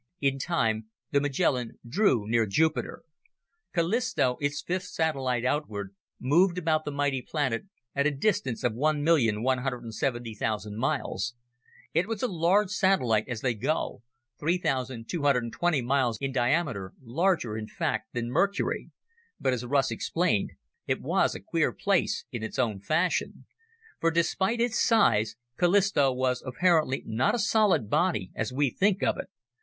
In time, the Magellan drew near Jupiter. Callisto, its fifth satellite outward, moved about the mighty planet at a distance of 1,170,000 miles. It was a large satellite as they go, 3,220 miles in diameter, larger, in fact, than Mercury. But, as Russ explained, it was a queer place in its own fashion. For despite its size, Callisto was apparently not a solid body as we think of it.